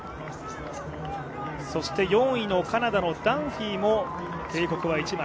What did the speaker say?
そして４位のカナダのダンフィーも警告は１枚。